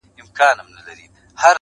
شپه د پرخي په قدم تر غېږي راغلې-